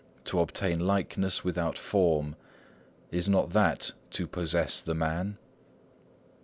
To obtain likeness without form Is not that to possess the man?"